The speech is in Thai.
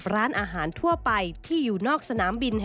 เป็นอย่างไรนั้นติดตามจากรายงานของคุณอัญชาลีฟรีมั่วครับ